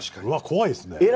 うわ怖いですね。